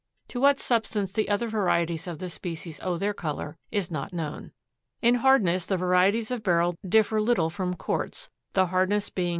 To what substance the other varieties of the species owe their color is not known. In hardness the varieties of Beryl differ little from quartz, the hardness being 7.